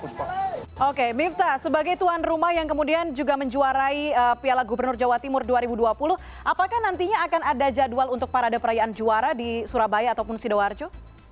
oke mifta sebagai tuan rumah yang kemudian juga menjuarai piala gubernur jawa timur dua ribu dua puluh apakah nantinya akan ada jadwal untuk parade perayaan juara di surabaya ataupun sidoarjo